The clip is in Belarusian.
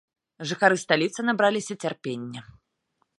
Жыхары сталіцы набраліся цярпення.